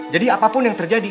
jadi apapun yang terjadi